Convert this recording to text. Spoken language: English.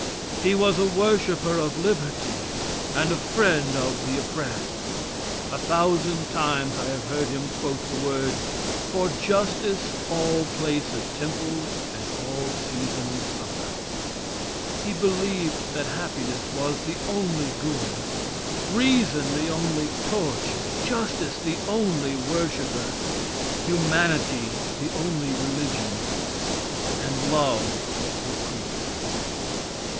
He was a worshiper of liberty and a friend of the oppressed. A thousand times I have heard him quote the words: "For justice all place a temple and all season summer." He believed that happiness was the only good, reason the only torch, justice the only worshiper, humanity the only religion, and love the priest.